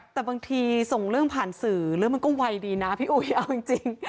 แต่บางทีส่งเรื่องผ่านสื่อเรื่องมันก็ไวดีนะพี่อุ๋ยเอาจริง